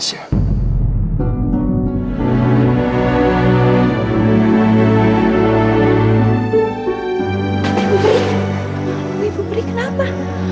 ibu peri ibu peri kenapa